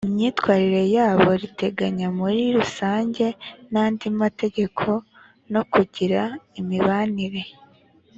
imyitwarire yabo riteganya muri rusange n andi mategeko no kugira imibanire